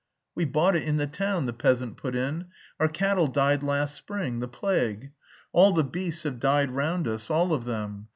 "We bought it in the town," the peasant put in. "Our cattle died last spring... the plague. All the beasts have died round us, all of them.